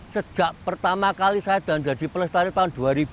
sejak pertama kali saya dan jadi pelestari tahun dua ribu